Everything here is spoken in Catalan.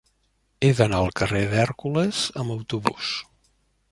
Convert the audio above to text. He d'anar al carrer d'Hèrcules amb autobús.